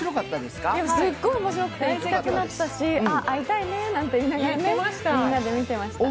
すごい面白くて行きたくなったし、会いたいねなんてみんなで言ってました。